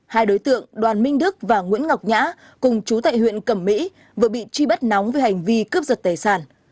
hai đối tượng đoàn minh đức và nguyễn ngọc nhã cùng chú tại huyện cẩm mỹ vừa bị truy bắt nóng về hành vi cướp giật tài sản